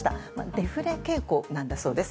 デフレ傾向なんだそうです。